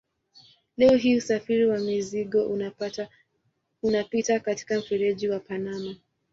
Leo hii usafiri wa mizigo unapita katika mfereji wa Panama.